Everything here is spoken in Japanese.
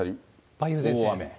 梅雨前線。